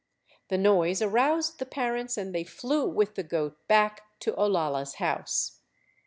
The noise aroused the parents and they flew with the goat back to Olalla's house.